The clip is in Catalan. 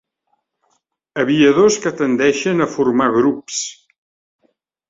Aviadors que tendeixen a formar grups.